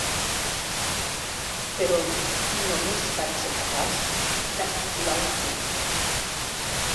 Però només vaig ser capaç d'articular un crit.